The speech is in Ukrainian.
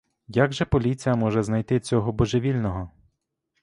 Як же поліція може знайти цього божевільного?